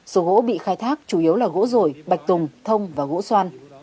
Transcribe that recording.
số gỗ bị khai thác chủ yếu là gỗ rổi bạch tùng thông và gỗ xoan